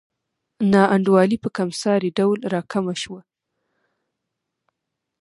نا انډولي په کمسارې ډول راکمه شوه.